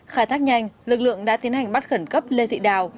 khai thác nhanh lực lượng đã tiến hành bắt khẩn cấp lê thị đào